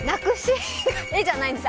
えじゃないんです。